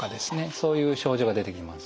そういう症状が出てきます。